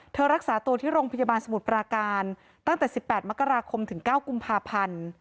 รักษาตัวที่โรงพยาบาลสมุทรปราการตั้งแต่๑๘มกราคมถึง๙กุมภาพันธ์